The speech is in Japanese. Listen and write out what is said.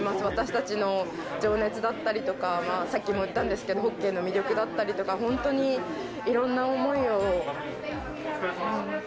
私たちの情熱だったりとか、さっきも言ったんですけど、ホッケーの魅力だったりとか、本当にいろんな思いを。